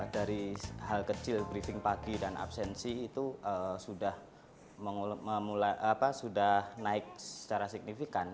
dari hal kecil briefing pagi dan absensi itu sudah naik secara signifikan